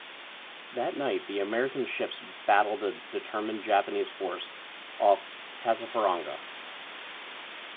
That night, the American ships battled a determined Japanese force off Tassafaronga.